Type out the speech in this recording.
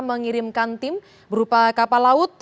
mengirimkan tim berupa kapal laut